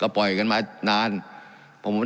การปรับปรุงทางพื้นฐานสนามบิน